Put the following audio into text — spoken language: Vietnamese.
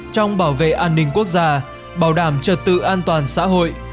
trong bảo vệ an ninh quốc gia bảo đảm trật tự an toàn xã hội